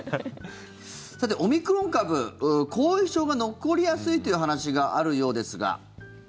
さて、オミクロン株後遺症が残りやすいという話があるようですが。